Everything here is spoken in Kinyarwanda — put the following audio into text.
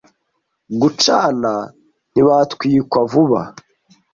Ku gucana. Nibatwikwa vuba